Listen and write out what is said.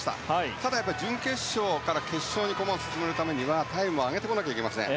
ただ、やっぱり準決勝から決勝に駒を進めるためにはタイムを上げてこなければいけません。